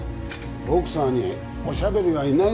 ボクサーにおしゃべりはいないだろうが。